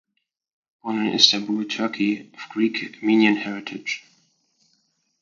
Born in Istanbul, Turkey of Greek-Armenian heritage.